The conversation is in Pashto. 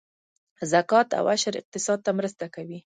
زکات او عشر اقتصاد ته مرسته کوي